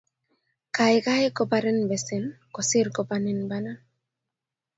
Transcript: Kaikai koparin besen kosir koparin banan